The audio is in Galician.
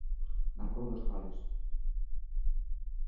Marcou dous goles.